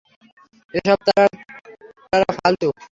এসব তারা-টারা ফালতু।